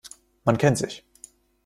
Man kennt sich.